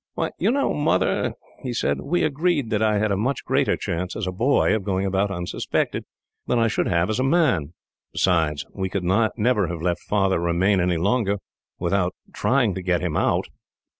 "Why, you know, Mother," he said, "we agreed that I had a much greater chance, as a boy, of going about unsuspected, than I should have as a man. Besides, we could never have let Father remain any longer, without trying to get him out.